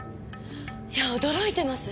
いや驚いてます！